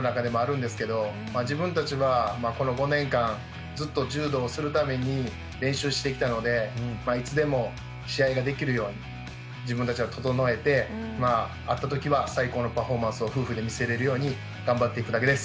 自分たちはこの５年間ずっと柔道をするために練習してきたのでいつでも試合ができるように自分たちが整えてあった時は最高のパフォーマンスを夫婦で見せれるように頑張っていくだけです。